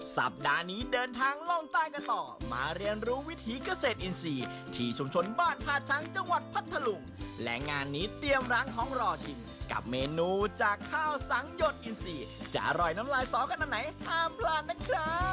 สัปดาห์นี้เดินทางล่องใต้กันต่อมาเรียนรู้วิถีเกษตรอินทรีย์ที่ชุมชนบ้านผ่าช้างจังหวัดพัทธลุงและงานนี้เตรียมล้างท้องรอชิมกับเมนูจากข้าวสังหยดอินซีจะอร่อยน้ำลายสอขนาดไหนห้ามพลาดนะครับ